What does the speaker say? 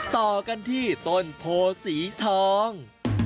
ต่อกันที่ต้นโพสีทอง